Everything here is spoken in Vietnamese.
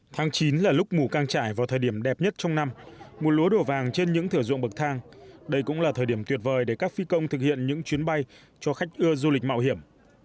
tháng chín là lúc mù căng trải vào thời điểm đẹp nhất trong năm mùa lúa đổ vàng trên những thửa ruộng bậc thang đây cũng là thời điểm tuyệt vời để các phi công thực hiện những chuyến bay cho khách ưa du lịch mạo hiểm